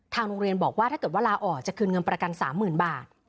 โรงเรียนบอกว่าถ้าเกิดว่าลาออกจะคืนเงินประกัน๓๐๐๐บาท